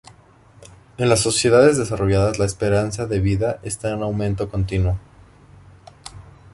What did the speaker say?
En las sociedades desarrolladas la esperanza de vida está en aumento continuo.